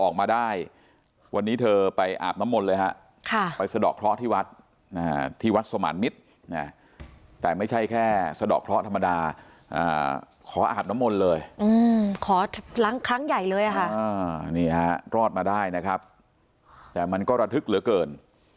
ค่ะไปสะดอกเคราะห์ที่วัดอ่าที่วัดสมันมิตรเนี่ยแต่ไม่ใช่แค่สะดอกเคราะห์ธรรมดาอ่าขออาหารมนต์เลยอืมขอล้างครั้งใหญ่เลยอ่ะค่ะนี่ฮะรอดมาได้นะครับแต่มันก็ระทึกเหลือเกิน